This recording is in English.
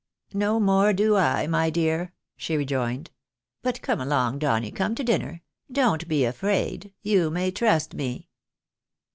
"No more do I, my dear," she rejoined; "but come along, Donny, come to dinner ; don't be afraid, you may trust me."